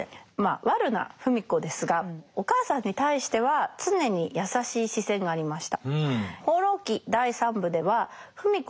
悪な芙美子ですがお母さんに対しては常に優しい視線がありました。